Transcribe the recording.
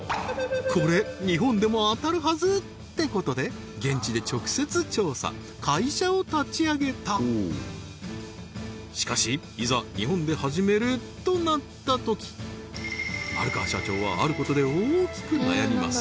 これ日本でも当たるはず！ってことで現地で直接調査会社を立ち上げたしかしいざ日本で始めるとなった時丸川社長はあることで大きく悩みます